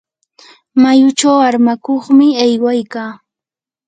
mayuchu armakuqmi aywaykaa.